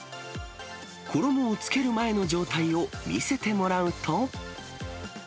衣をつける前の状態を見せてもらうと。